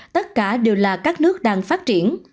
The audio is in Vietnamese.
tất cả đều là các nước đang phát triển